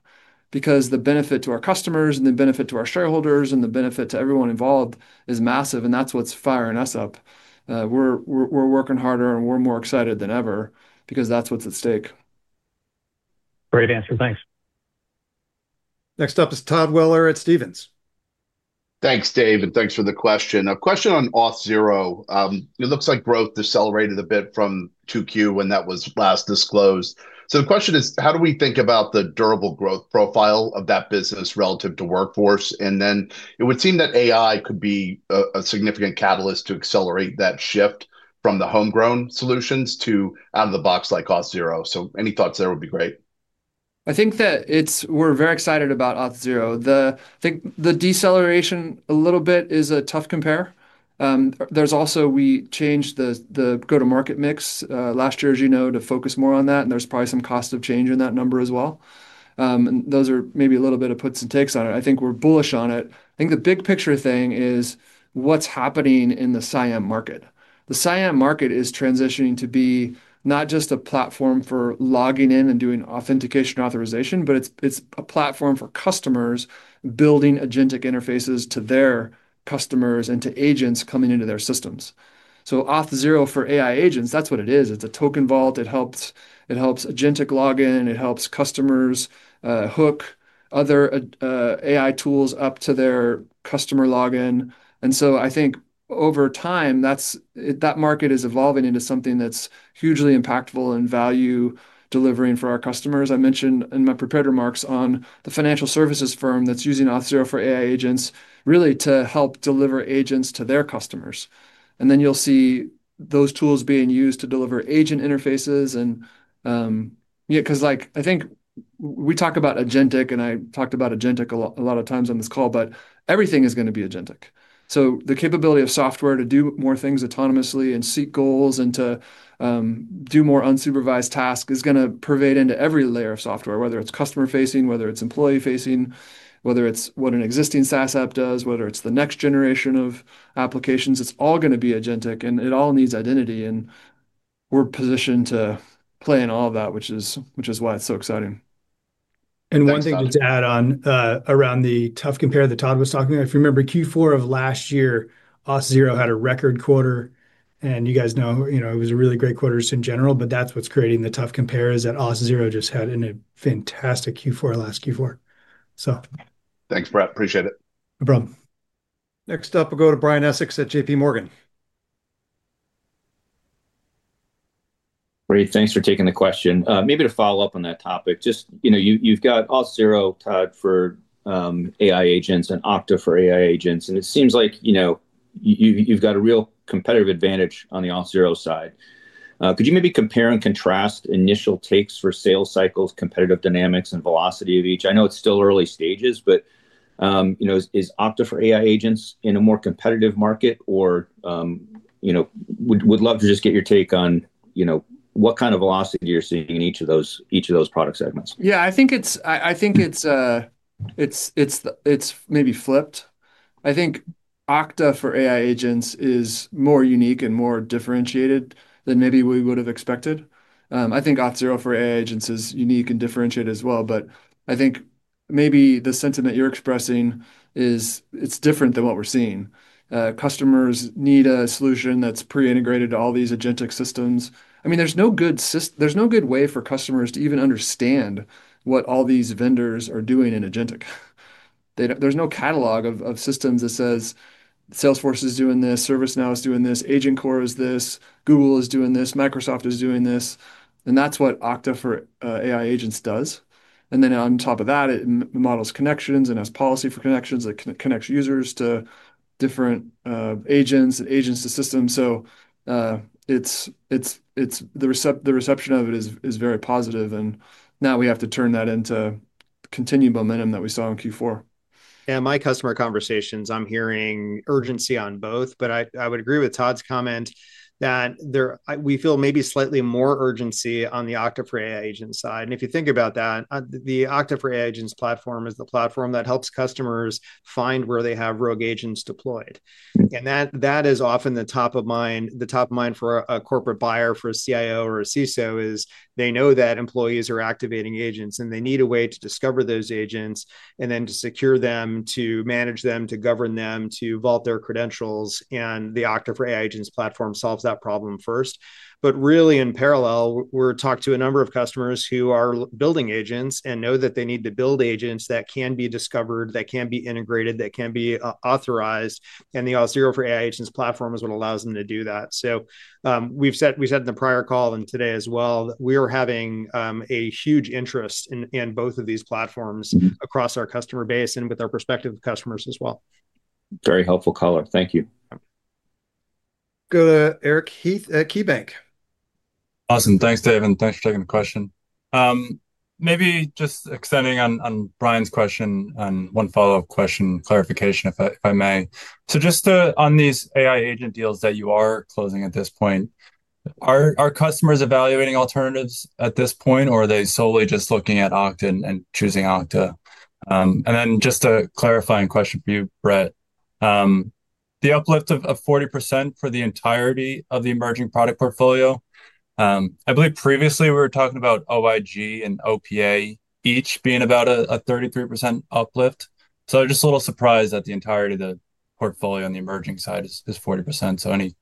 because the benefit to our customers and the benefit to our shareholders and the benefit to everyone involved is massive, and that's what's firing us up. We're working harder, and we're more excited than ever because that's what's at stake. Great answer. Thanks. Next up is Todd Weller at Stephens. Thanks, Dave, thanks for the question. A question on Auth0. It looks like growth decelerated a bit from 2Q when that was last disclosed. The question is, how do we think about the durable growth profile of that business relative to workforce? It would seem that AI could be a significant catalyst to accelerate that shift from the homegrown solutions to out-of-the-box like Auth0. Any thoughts there would be great. I think that we're very excited about Auth0. I think the deceleration a little bit is a tough compare. There's also we changed the go-to-market mix last year, as you know, to focus more on that, there's probably some cost of change in that number as well. Those are maybe a little bit of puts and takes on it. I think we're bullish on it. I think the big-picture thing is what's happening in the CIAM market. CIAM market is transitioning to be not just a platform for logging in and doing authentication authorization, but it's a platform for customers building agentic interfaces to their customers and to agents coming into their systems. Auth0 for AI Agents, that's what it is. It's a token vault. It helps agentic login. It helps customers hook other AI tools up to their customer login. I think over time, that market is evolving into something that's hugely impactful and value delivering for our customers. I mentioned in my prepared remarks on the financial services firm that's using Auth0 for AI Agents really to help deliver agents to their customers. You'll see those tools being used to deliver agent interfaces. Yeah, 'cause like I think we talk about agentic, and I talked about agentic a lot of times on this call, but everything is gonna be agentic. The capability of software to do more things autonomously and seek goals and to do more unsupervised tasks is gonna pervade into every layer of software, whether it's customer-facing, whether it's employee-facing, whether it's what an existing SaaS app does, whether it's the next generation of applications. It's all gonna be agentic, and it all needs identity, and we're positioned to play in all of that, which is why it's so exciting. One thing to add on, around the tough compare that Todd was talking about. If you remember Q4 of last year, Auth0 had a record quarter, and you guys know, you know, it was a really great quarter just in general, but that's what's creating the tough compare is that Auth0 just had a fantastic Q4 last Q4. Thanks, Brett. Appreciate it. No problem. Next up, we'll go to Brian Essex at JPMorgan. Great. Thanks for taking the question. Maybe to follow up on that topic, just, you know, you've got Auth0, Todd, for AI agents and Okta for AI agents, and it seems like, you know, you've got a real competitive advantage on the Auth0 side. Could you maybe compare and contrast initial takes for sales cycles, competitive dynamics, and velocity of each? I know it's still early stages, but, you know, is Okta for AI agents in a more competitive market or, you know? Would love to just get your take on, you know, what kind of velocity you're seeing in each of those, each of those product segments. Yeah, I think it's, I think it's the, it's maybe flipped. I think Okta for AI Agents is more unique and more differentiated than maybe we would've expected. I think Auth0 for AI Agents is unique and differentiated as well. I think maybe the sentiment you're expressing is it's different than what we're seeing. Customers need a solution that's pre-integrated to all these agentic systems. I mean, there's no good way for customers to even understand what all these vendors are doing in agentic. There's no catalog of systems that says, "Salesforce is doing this. ServiceNow is doing this. AgentCore is this. Google is doing this. Microsoft is doing this." That's what Okta for AI Agents does. On top of that, it models connections and has policy for connections. It connects users to different agents and agents to systems, so it's the reception of it is very positive. Now we have to turn that into continued momentum that we saw in Q4. Yeah, my customer conversations, I'm hearing urgency on both, but I would agree with Todd's comment that there we feel maybe slightly more urgency on the Okta for AI Agents side. If you think about that, the Okta for AI Agents platform is the platform that helps customers find where they have rogue agents deployed. That is often the top of mind for a corporate buyer, for a CIO or a CSO is they know that employees are activating agents, and they need a way to discover those agents and then to secure them, to manage them, to govern them, to vault their credentials. The Okta for AI Agents platform solves that problem first. Really, in parallel, we're talked to a number of customers who are building agents and know that they need to build agents that can be discovered, that can be integrated, that can be authorized, and the Auth0 for AI Agents platform is what allows them to do that. We've said, we said in the prior call and today as well, we are having a huge interest in both of these platforms across our customer base and with our prospective customers as well. Very helpful color. Thank you. Go to Eric Heath at KeyBanc Awesome. Thanks, Dave, thanks for taking the question. Maybe just extending on Brian's question and one follow-up question, clarification if I may. On these AI agent deals that you are closing at this point, are customers evaluating alternatives at this point, or are they solely just looking at Okta and choosing Okta? And then just a clarifying question for you, Brett. The uplift of 40% for the entirety of the emerging product portfolio, I believe previously we were talking about OIG and OPA each being about a 33% uplift. Just a little surprised that the entirety of the portfolio on the emerging side is 40%, any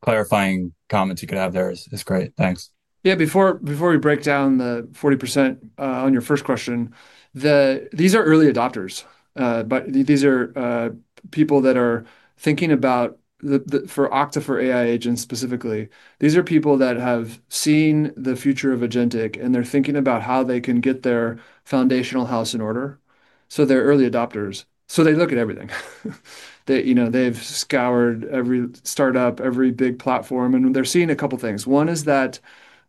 clarifying comments you could have there is great. Thanks. Yeah. Before we break down the 40%, on your first question, These are early adopters, but these are people that are thinking about For Okta for AI Agents specifically, these are people that have seen the future of agentic, and they're thinking about how they can get their foundational house in order. They're early adopters, so they look at everything. They, you know, they've scoured every startup, every big platform, and they're seeing a couple things. One is that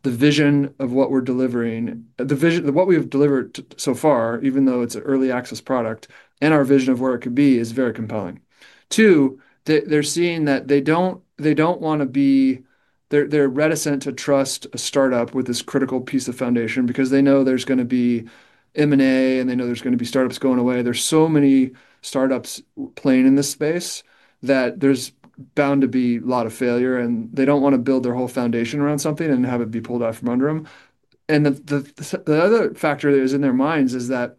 the vision of what we're delivering, the vision what we have delivered so far, even though it's an early access product, and our vision of where it could be is very compelling. Two, they're seeing that they don't wanna be... They're reticent to trust a startup with this critical piece of foundation because they know there's gonna be M&A, and they know there's gonna be startups going away. There's so many startups playing in this space that there's bound to be a lot of failure, and they don't wanna build their whole foundation around something and have it be pulled out from under them. The other factor is in their minds is that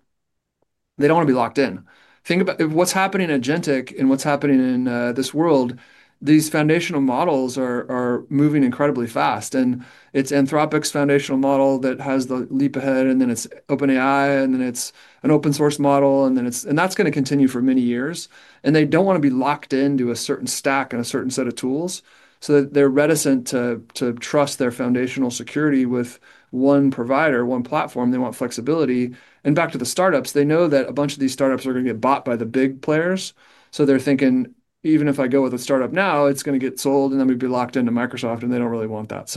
they don't wanna be locked in. Think about if what's happening in agentic and what's happening in this world, these foundational models are moving incredibly fast. It's Anthropic's foundational model that has the leap ahead, and then it's OpenAI, and then it's an open source model, and then it's... That's gonna continue for many years, and they don't wanna be locked into a certain stack and a certain set of tools, so they're reticent to trust their foundational security with one provider, one platform. They want flexibility. Back to the startups, they know that a bunch of these startups are gonna get bought by the big players, so they're thinking, "Even if I go with a startup now, it's gonna get sold, and then we'd be locked into Microsoft," and they don't really want that.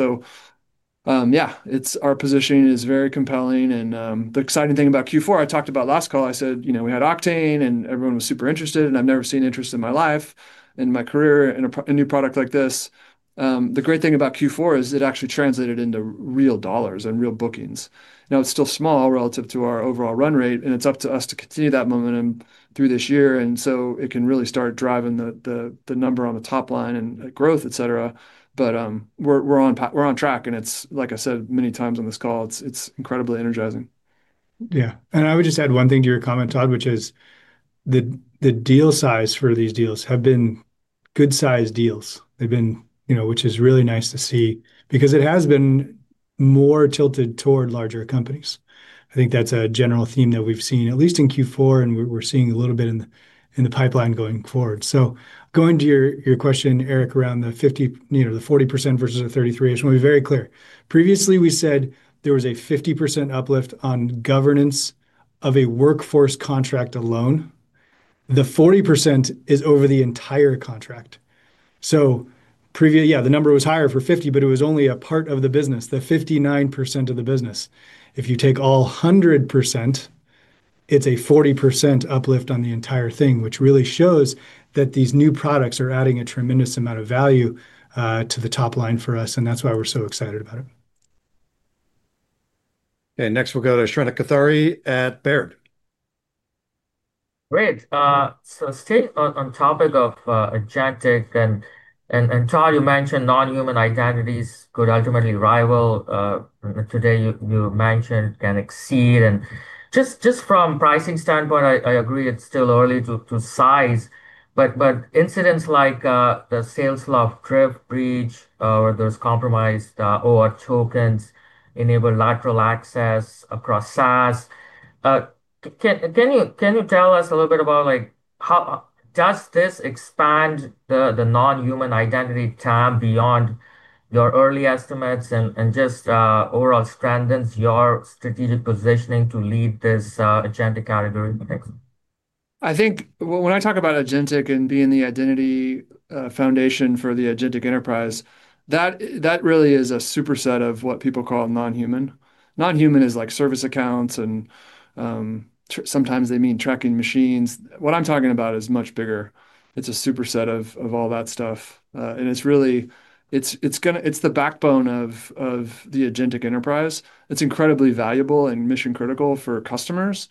Yeah, it's. Our positioning is very compelling and the exciting thing about Q4, I talked about last call, I said, you know, we had Oktane, and everyone was super interested, and I've never seen interest in my life, in my career in a new product like this. The great thing about Q4 is it actually translated into real $ and real bookings. It's still small relative to our overall run rate, and it's up to us to continue that momentum through this year and so it can really start driving the number on the top line and growth, et cetera. We're on track, and it's, like I said many times on this call, incredibly energizing. Yeah. I would just add one thing to your comment, Todd, which is the deal size for these deals have been good-sized deals. They've been, you know, which is really nice to see because it has been more tilted toward larger companies. I think that's a general theme that we've seen at least in Q4, and we're seeing a little bit in the pipeline going forward. Going to your question, Eric, around the 50%, you know, the 40% versus the 33%, I just wanna be very clear. Previously, we said there was a 50% uplift on governance- Of a workforce contract alone, the 40% is over the entire contract. Yeah, the number was higher for 50%, but it was only a part of the business, the 59% of the business. If you take all 100%, it's a 40% uplift on the entire thing, which really shows that these new products are adding a tremendous amount of value to the top line for us, and that's why we're so excited about it. Okay. Next, we'll go to Shrenik Kothari at Baird. Great. So staying on topic of agentic and Todd, you mentioned non-human identities could ultimately rival today you mentioned can exceed. Just from pricing standpoint, I agree it's still early to size, but incidents like the Salesloft Drift breach or those compromised OAuth tokens enable lateral access across SaaS. Can you tell us a little bit about, like, does this expand the non-human identity TAM beyond your early estimates and just overall strengthens your strategic positioning to lead this agentic category next? I think when I talk about agentic and being the identity foundation for the agentic enterprise, that really is a superset of what people call non-human. Non-human is like service accounts and sometimes they mean tracking machines. What I'm talking about is much bigger. It's a superset of all that stuff, and it's gonna be the backbone of the agentic enterprise. It's incredibly valuable and mission-critical for customers,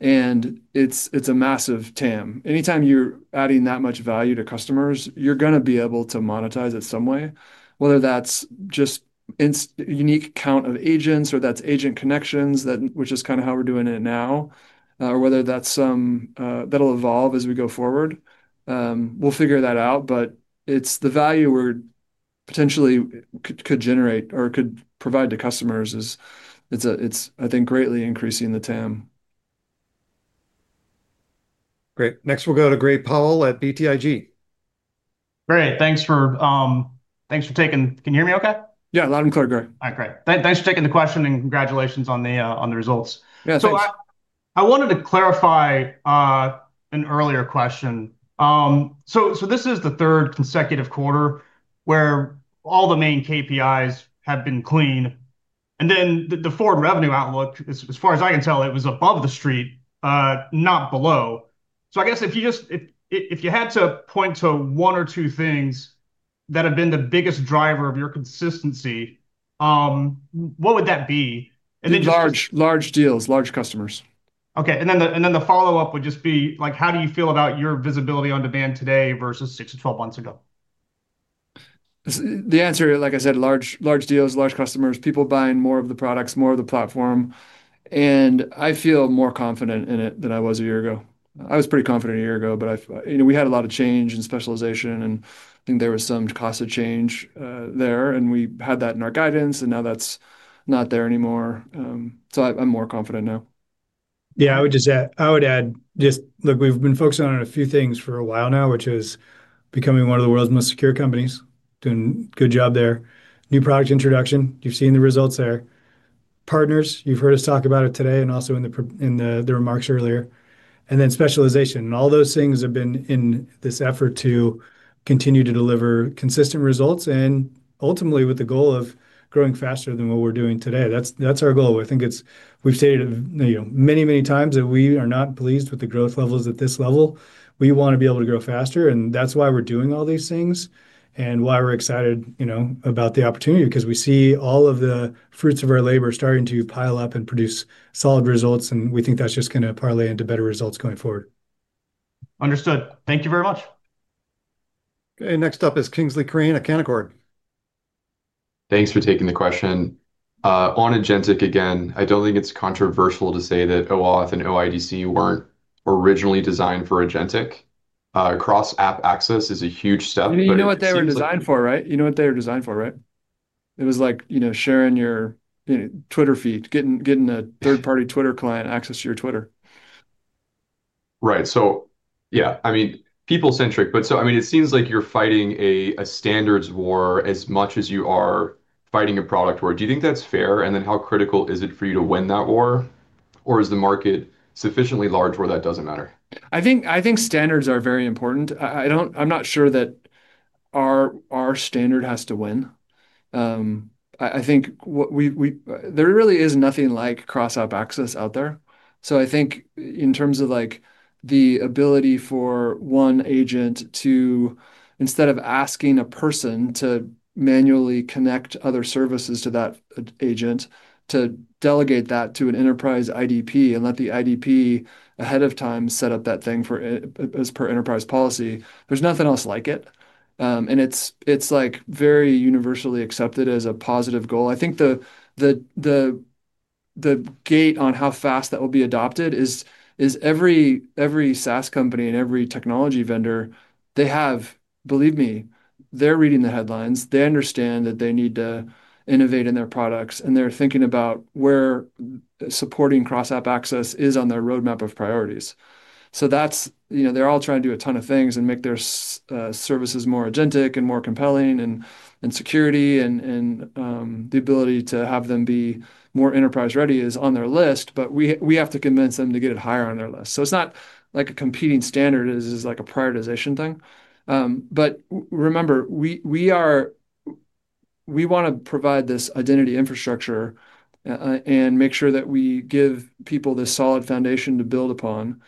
and it's a massive TAM. Anytime you're adding that much value to customers, you're gonna be able to monetize it some way, whether that's just unique count of agents or that's agent connections that, which is kinda how we're doing it now, or whether that's that'll evolve as we go forward. We'll figure that out, the value we're potentially could generate or could provide to customers is, I think, greatly increasing the TAM. Great. Next, we'll go to Gray Powell at BTIG. Great. Can you hear me okay? Yeah, loud and clear, Gray. All right. Great. Thanks for taking the question, and congratulations on the results. Yeah. Thanks. I wanted to clarify an earlier question. This is the third consecutive quarter where all the main KPIs have been clean, and then the forward revenue outlook as far as I can tell, it was above the street, not below. I guess if you had to point to one or two things that have been the biggest driver of your consistency, what would that be? And then just- Large deals, large customers. Okay. The follow-up would just be, like, how do you feel about your visibility on demand today versus six to 12 months ago? The answer, like I said, large deals, large customers, people buying more of the products, more of the platform, and I feel more confident in it than I was a year ago. I was pretty confident a year ago, but I've, you know, we had a lot of change and specialization, and I think there was some cost of change there, and we had that in our guidance, and now that's not there anymore. I'm more confident now. Yeah. I would add just, look, we've been focusing on a few things for a while now, which is becoming one of the world's most secure companies, doing good job there. New product introduction, you've seen the results there. Partners, you've heard us talk about it today and also in the remarks earlier. Specialization, and all those things have been in this effort to continue to deliver consistent results and ultimately with the goal of growing faster than what we're doing today. That's our goal. I think we've stated, you know, many, many times that we are not pleased with the growth levels at this level. We wanna be able to grow faster. That's why we're doing all these things and why we're excited, you know, about the opportunity because we see all of the fruits of our labor starting to pile up and produce solid results. We think that's just gonna parlay into better results going forward. Understood. Thank you very much. Okay. Next up is Kingsley Crane at Canaccord. Thanks for taking the question. On agentic again, I don't think it's controversial to say that OAuth and OIDC weren't originally designed for agentic. Cross App Access is a huge step. You know what they were designed for, right? You know what they were designed for, right? It was like, you know, sharing your, you know, X feed, getting a third-party X client access to your X. Right. Yeah, I mean, people-centric, but so I mean, it seems like you're fighting a standards war as much as you are fighting a product war. Do you think that's fair? How critical is it for you to win that war, or is the market sufficiently large where that doesn't matter? I think standards are very important. I'm not sure that our standard has to win. I think what we there really is nothing like Cross App Access out there. In terms of like the ability for one agent to, instead of asking a person to manually connect other services to that agent, to delegate that to an enterprise IdP and let the IdP ahead of time set up that thing as per enterprise policy, there's nothing else like it. It's like very universally accepted as a positive goal. I think the gate on how fast that will be adopted is every SaaS company and every technology vendor, they have. Believe me, they're reading the headlines. They understand that they need to innovate in their products, and they're thinking about Supporting Cross App Access is on their roadmap of priorities. That's, you know, they're all trying to do a ton of things and make their services more agentic and more compelling and security and the ability to have them be more enterprise-ready is on their list, but we have to convince them to get it higher on their list. It's not like a competing standard as like a prioritization thing. Remember, we wanna provide this identity infrastructure and make sure that we give people this solid foundation to build upon,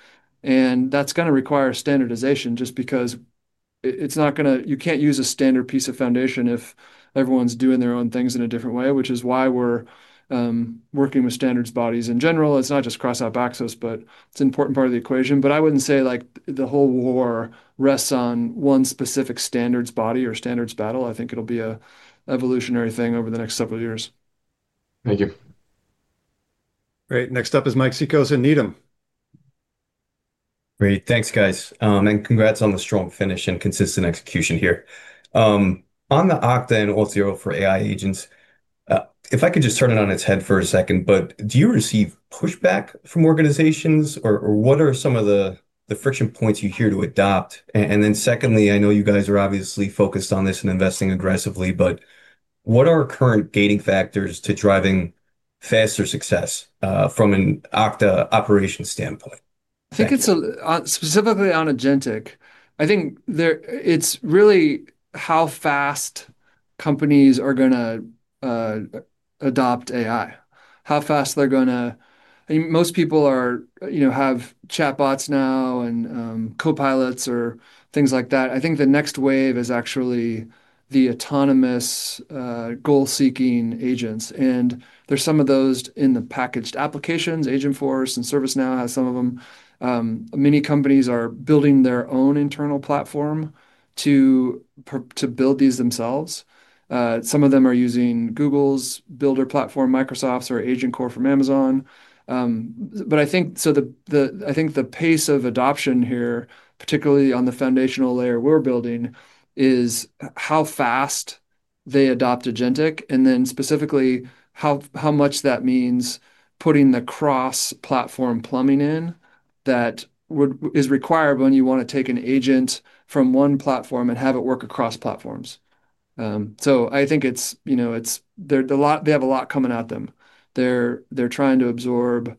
and that's gonna require standardization just because it's not gonna... You can't use a standard piece of foundation if everyone's doing their own things in a different way, which is why we're working with standards bodies in general. It's not just Cross App Access, but it's an important part of the equation. I wouldn't say, like, the whole war rests on one specific standards body or standards battle. I think it'll be a evolutionary thing over the next several years. Thank you. Great. Next up is Mike Cikos, Needham. Great. Thanks, guys. Congrats on the strong finish and consistent execution here. On the Okta and Auth0 for AI Agents, if I could just turn it on its head for a second, do you receive pushback from organizations or what are some of the friction points you hear to adopt? Then secondly, I know you guys are obviously focused on this and investing aggressively, but what are current gating factors to driving faster success from an Okta operations standpoint? Thank you. I think it's specifically on agentic. I think there, it's really how fast companies are gonna adopt AI, how fast they're gonna. I mean, most people are, you know, have chatbots now and copilots or things like that. I think the next wave is actually the autonomous goal-seeking agents, and there's some of those in the packaged applications. Agentforce and ServiceNow has some of them. Many companies are building their own internal platform to build these themselves. Some of them are using Google's builder platform, Microsoft's, or AgentCore from Amazon. I think the pace of adoption here, particularly on the foundational layer we're building, is how fast they adopt agentic and then specifically how much that means putting the cross-platform plumbing in that is required when you wanna take an agent from one platform and have it work across platforms. I think it's, you know, they have a lot coming at them. They're trying to absorb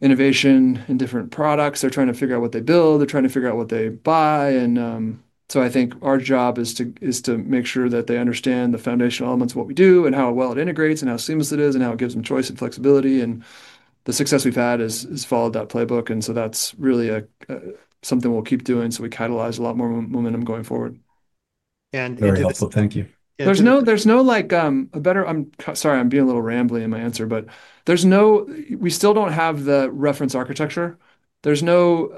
innovation in different products. They're trying to figure out what they build. They're trying to figure out what they buy, and I think our job is to make sure that they understand the foundational elements of what we do and how well it integrates and how seamless it is and how it gives them choice and flexibility. The success we've had has followed that playbook, that's really a something we'll keep doing so we catalyze a lot more momentum going forward. Very helpful. Thank you. There's no, there's no, like, I'm sorry, I'm being a little rambly in my answer. There's no, we still don't have the reference architecture. There's no.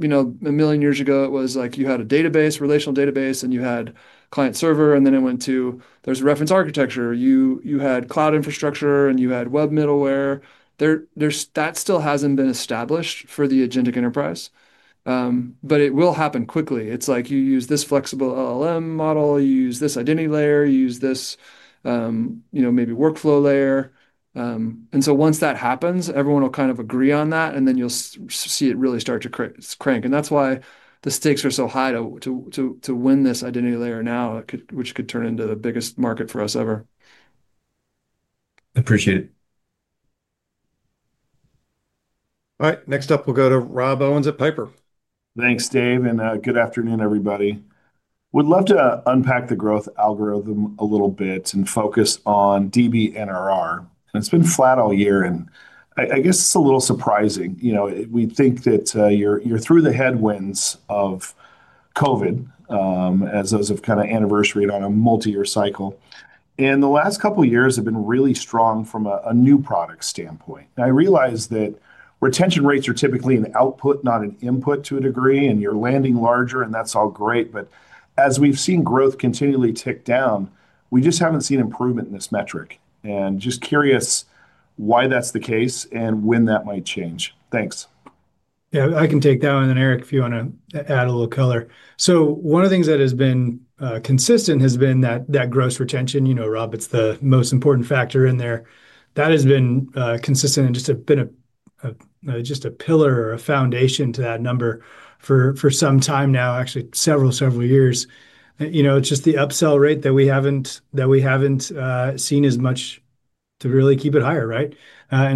You know, a million years ago it was like you had a database, relational database, and you had client server, and then it went to there's a reference architecture. You had cloud infrastructure, and you had web middleware. There's that still hasn't been established for the agentic enterprise, but it will happen quickly. It's like you use this flexible LLM model, you use this identity layer, you use this, you know, maybe workflow layer. Once that happens, everyone will kind of agree on that, and then you'll see it really start to crank. That's why the stakes are so high to win this identity layer now, which could turn into the biggest market for us ever. Appreciate it. All right. Next up we'll go to Rob Owens at Piper. Thanks, Dave, good afternoon, everybody. Would love to unpack the growth algorithm a little bit and focus on DBNRR. It's been flat all year, I guess it's a little surprising. You know, we think that you're through the headwinds of COVID, as those have kind of anniversaried on a multi-year cycle. The last couple years have been really strong from a new product standpoint. Now, I realize that retention rates are typically an output, not an input, to a degree, and you're landing larger, and that's all great, but as we've seen growth continually tick down, we just haven't seen improvement in this metric. Just curious why that's the case and when that might change. Thanks. I can take that one. Eric, if you wanna add a little color. One of the things that has been consistent has been that gross retention. You know, Rob, it's the most important factor in there. That has been consistent and just been a pillar or a foundation to that number for some time now, actually several years. You know, it's just the upsell rate that we haven't seen as much to really keep it higher, right?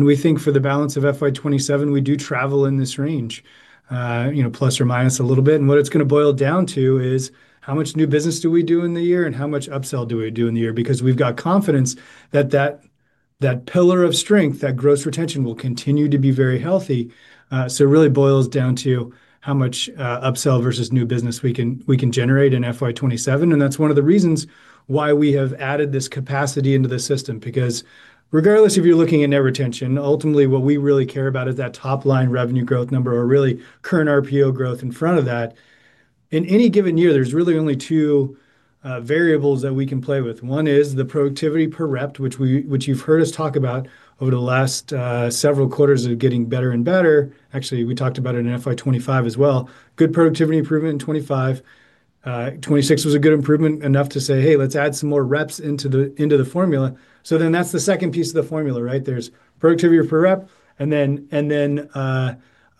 We think for the balance of FY 2027, we do travel in this range, you know, ± a little bit. What it's gonna boil down to is how much new business do we do in the year and how much upsell do we do in the year? We've got confidence that pillar of strength, that gross retention will continue to be very healthy. It really boils down to how much upsell versus new business we can generate in FY 2027, and that's one of the reasons why we have added this capacity into the system. Regardless if you're looking at net retention, ultimately what we really care about is that top line revenue growth number or really current RPO growth in front of that. In any given year, there's really only two variables that we can play with. One is the productivity per rep, which you've heard us talk about over the last several quarters of getting better and better. Actually, we talked about it in FY 2025 as well. Good productivity improvement in 2025. 2026 was a good improvement, enough to say, "Hey, let's add some more reps into the, into the formula." That's the second piece of the formula, right? There's productivity per rep and then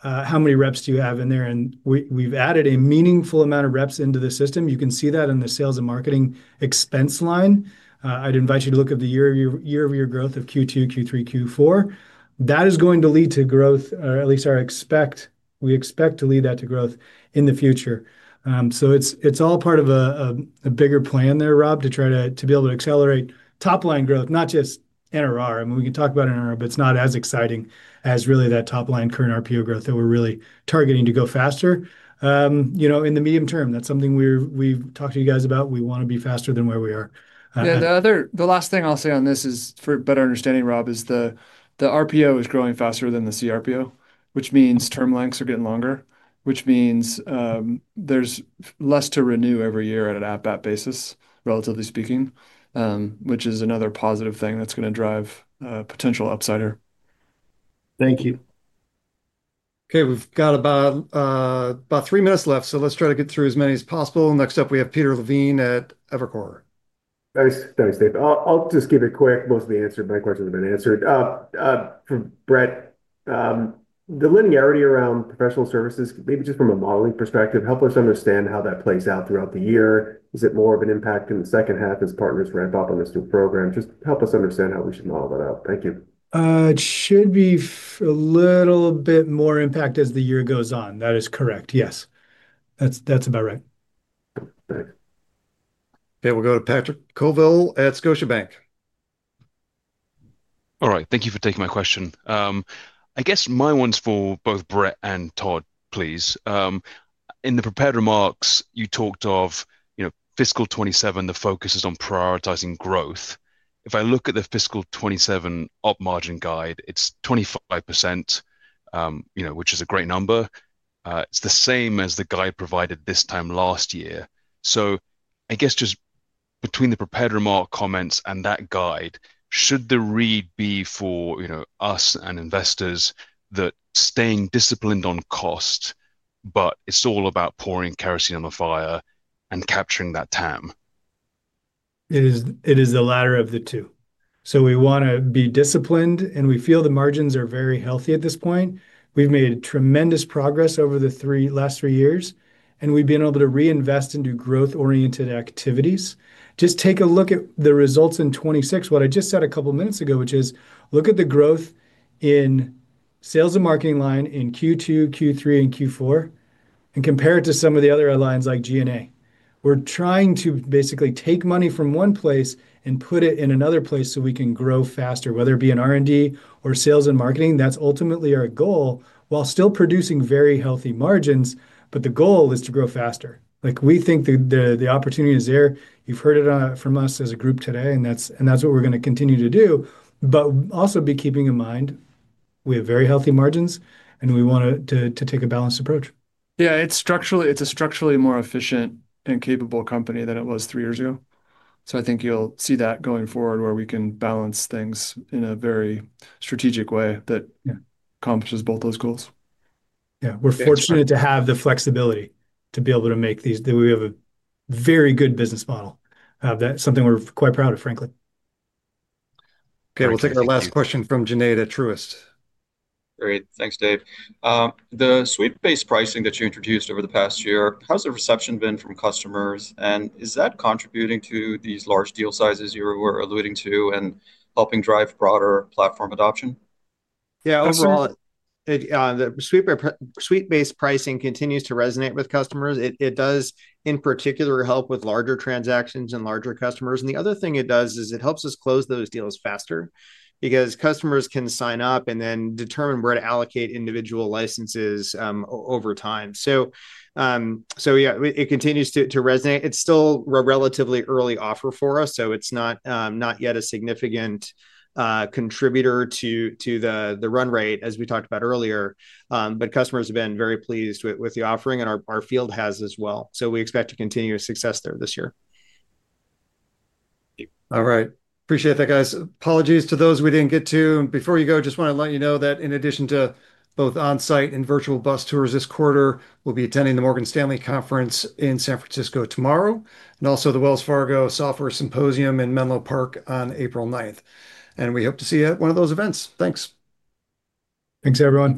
how many reps do you have in there? We've added a meaningful amount of reps into the system. You can see that in the sales and marketing expense line. I'd invite you to look at the year-over-year growth of Q2, Q3, Q4. That is going to lead to growth, or at least we expect to lead that to growth in the future. It's, it's all part of a bigger plan there, Rob, to be able to accelerate top line growth, not just NRR. I mean, we can talk about NRR, but it's not as exciting as really that top line current RPO growth that we're really targeting to go faster. You know, in the medium term. That's something we're, we've talked to you guys about. We wanna be faster than where we are. Yeah. The last thing I'll say on this is for better understanding, Rob, is the RPO is growing faster than the CRPO, which means term lengths are getting longer, which means there's less to renew every year at an app-app basis, relatively speaking, which is another positive thing that's gonna drive a potential upsider. Thank you. Okay. We've got about three minutes left, so let's try to get through as many as possible. Next up, we have Peter Levine at Evercore. Thanks. Thanks, Dave. I'll just keep it quick. Most have been answered, my questions have been answered. For Brett, the linearity around professional services, maybe just from a modeling perspective, help us understand how that plays out throughout the year. Is it more of an impact in the second half as partners ramp up on this new program? Just help us understand how we should model that out. Thank you. It should be a little bit more impact as the year goes on. That is correct, yes. That's about right. Thanks. Okay. We'll go to Patrick Colville at Scotiabank. All right. Thank you for taking my question. I guess my one's for both Brett and Todd, please. In the prepared remarks, you talked of, you know, fiscal 2027, the focus is on prioritizing growth. If I look at the fiscal 2027 op margin guide, it's 25%, you know, which is a great number. It's the same as the guide provided this time last year. I guess just between the prepared remark comments and that guide, should the read be for, you know, us and investors that staying disciplined on cost, but it's all about pouring kerosene on the fire and capturing that TAM? It is the latter of the two. We want to be disciplined, and we feel the margins are very healthy at this point. We've made tremendous progress over the last three years, and we've been able to reinvest and do growth-oriented activities. Just take a look at the results in 2026, what I just said a couple minutes ago, which is look at the growth in sales and marketing line in Q2, Q3, and Q4 and compare it to some of the other lines like G&A. We're trying to basically take money from one place and put it in another place, so we can grow faster, whether it be in R&D or Sales and Marketing. That's ultimately our goal, while still producing very healthy margins, but the goal is to grow faster. We think the opportunity is there. You've heard it from us as a group today, and that's what we're gonna continue to do. Also be keeping in mind, we have very healthy margins, and we wanna to take a balanced approach. It's a structurally more efficient and capable company than it was three years ago. I think you'll see that going forward, where we can balance things in a very strategic way that accomplishes both those goals. We're fortunate to have the flexibility to be able to make these. We have a very good business model that something we're quite proud of, frankly. Okay. We'll take our last question from Junaid at Truist. Great. Thanks, Dave. The suite-based pricing that you introduced over the past year, how has the reception been from customers, and is that contributing to these large deal sizes you were alluding to and helping drive broader platform adoption? Yeah. Overall, it, the suite-based pricing continues to resonate with customers. It does, in particular, help with larger transactions and larger customers. The other thing it does is it helps us close those deals faster because customers can sign up and then determine where to allocate individual licenses over time. Yeah, it continues to resonate. It's still a relatively early offer for us, so it's not yet a significant contributor to the run rate as we talked about earlier. Customers have been very pleased with the offering, and our field has as well, so we expect to continue success there this year. All right. Appreciate that, guys. Apologies to those we didn't get to. Before you go, just wanna let you know that in addition to both on-site and virtual bus tours this quarter, we'll be attending the Morgan Stanley Conference in San Francisco tomorrow, and also the Wells Fargo Software Symposium in Menlo Park on April 9th. We hope to see you at one of those events. Thanks. Thanks, everyone